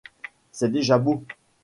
C’est déjà beau !